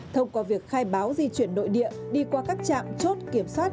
thông qua việc khai báo di chuyển nội địa đi qua các trạm chốt kiểm soát